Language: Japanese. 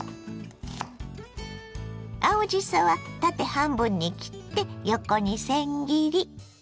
青じそは縦半分に切って横にせん切り。